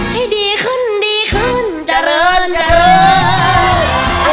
ให้ดีขึ้นดีขึ้นเจริญเจริญ